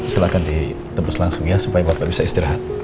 silahkan ditebus langsung ya supaya bapak bisa istirahat